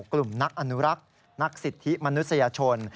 กลุ่มนักอนุรักษ์นักสิทธิมนุษยชน